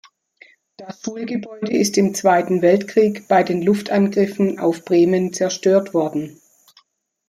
Das Schulgebäude ist im Zweiten Weltkrieg bei den Luftangriffen auf Bremen zerstört worden.